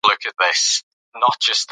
د خوب پر مهال باید خونه ارامه وي.